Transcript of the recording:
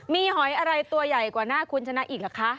มีหอยอะไรตัวใหญ่กว่าหน้าคุณชนะอีกเหรอคะ